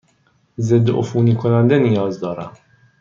ضدعفونی کننده نیاز دارم.